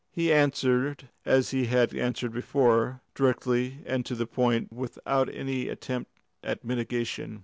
He answered, as he had answered before, directly and to the point, without any attempt at mitigation.